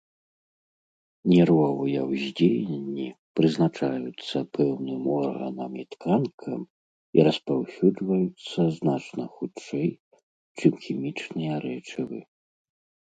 Нервовыя ўздзеянні прызначаюцца пэўным органам і тканкам і распаўсюджваюцца значна хутчэй, чым хімічныя рэчывы.